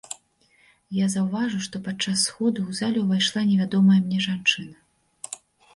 Я заўважыў, што падчас сходу ў залю ўвайшла невядомая мне жанчына.